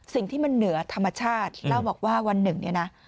สิ่งที่มันเหนือธรรมชาติเล่าบอกว่าวัน๑นะ